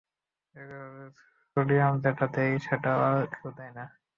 একইভাবে সোডিয়াম যেটা দেয়, সেটাও আর কেউ দেয় না।